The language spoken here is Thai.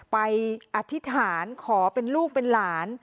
อธิษฐานขอเป็นลูกเป็นหลาน